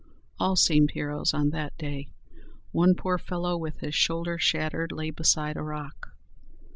All seemed heroes on that day. One poor fellow, with his shoulder shattered, lay beside a rock.